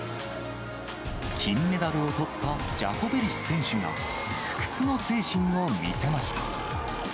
金メダルをとったジャコベリス選手が不屈の精神を見せました。